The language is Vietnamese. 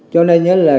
cho nên nhớ là